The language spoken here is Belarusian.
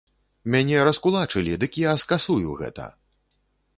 Мяне раскулачылі, дык я скасую гэта!